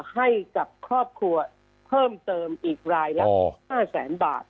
ให้กับครอบครัวเพิ่มเติมอีกรายละ๕แสนบาท